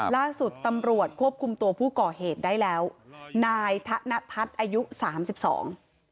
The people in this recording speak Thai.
ล่าสุดตำรวจควบคุมตัวผู้ก่อเหตุได้แล้วนายธนทัศน์อายุสามสิบสอง